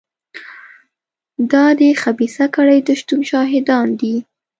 دا د خبیثه کړۍ د شتون شاهدان دي.